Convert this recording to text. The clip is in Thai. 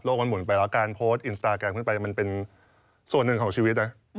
มันหุ่นไปแล้วการโพสต์อินสตาแกรมขึ้นไปมันเป็นส่วนหนึ่งของชีวิตนะ